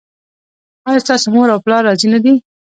ایا ستاسو مور او پلار راضي نه دي؟